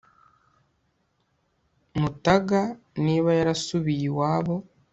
mutaga niba yarasubiye iwabo